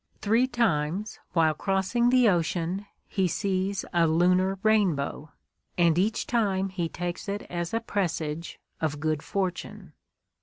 Three times, while crossing the ocean, he sees a lunar rainbow, and each time he takes it as a presage of good fortune.